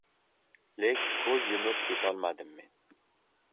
Lek ko‘z yumib ketolmadim men.